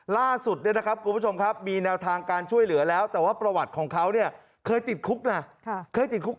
ล่าสุดมีแนวทางการช่วยเหลือแล้วแต่ว่าประวัติครับเขาเคยติดคุก